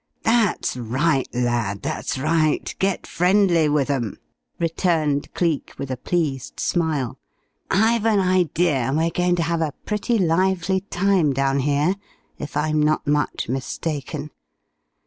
"That's right, lad, that's right. Get friendly with 'em!" returned Cleek with a pleased smile. "I've an idea we're going to have a pretty lively time down here, if I'm not much mistaken.